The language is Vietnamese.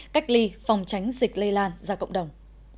cách ly phòng tránh dịch lây lan ra cộng đồng